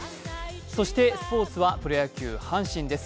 そしてスポーツはプロ野球、阪神です。